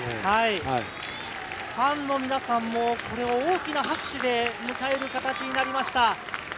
ファンの皆さんも大きな拍手で迎える形になりました。